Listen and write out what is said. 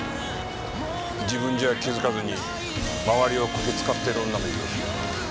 自分じゃ気づかずに周りをこき使ってる女もいる。